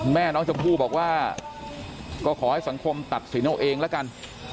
แม่น้องชมพู่บอกว่าก็ขอให้สังคมตัดสินเอาเองละกัน